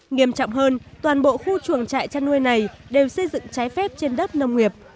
nghiêm trọng hơn toàn bộ khu chuồng trại chăn nuôi này đều xây dựng trái phép trên đất nông nghiệp